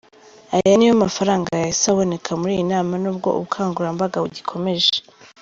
Aya niyo mafaranga yahise aboneka muri iyi nama nubwo ubukangurambaga bugikomeje.